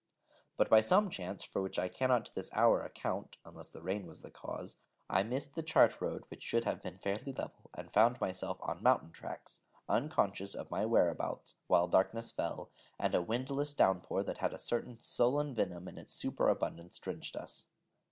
But by some chance for which I cannot to this hour account (unless the rain was the cause), I missed the chart road, which should have been fairly level, and found myself on mountain tracks, unconscious of my whereabouts, while darkness fell, and a windless downpour that had a certain sullen venom in its superabundance drenched us.